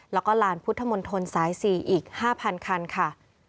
แล้วก็ลานพุทธมนตรสาย๔อีก๕๐๐คันค่ะ